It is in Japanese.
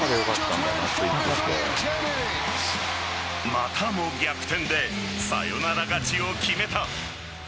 またも逆転でサヨナラ勝ちを決めた。